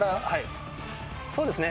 そうですね。